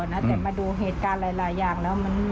แต่มาดูเหตุการณ์หลายอย่างแล้ว